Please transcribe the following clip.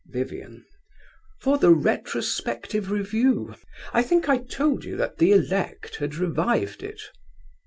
VIVIAN. For the Retrospective Review. I think I told you that the elect had revived it.